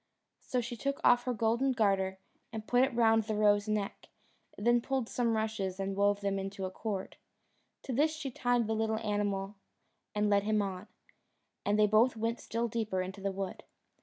So she took off her golden garter and put it round the roe's neck, then pulled some rushes and wove them into a cord. To this she tied the little animal and led him on, and they both went still deeper into the wood.